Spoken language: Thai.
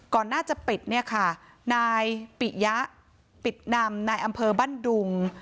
ก่อนหน้าจะปิดเนี่ยค่ะนายปิยะปิดนำนายอำเภอบ้านดุง